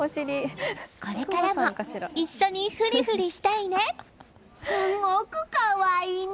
これからも一緒にフリフリしたいね。